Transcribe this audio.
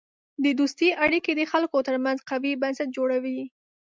د دوستی اړیکې د خلکو ترمنځ قوی بنسټ جوړوي.